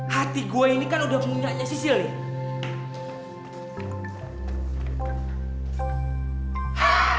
hati gue ini kan udah punya ayah sisil nih